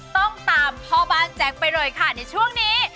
ต้องตามพ่อบ้านแจ๊คไปเลยค่ะในช่วงนี้